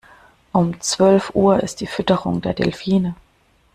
Um zwölf Uhr ist die Fütterung der Delfine.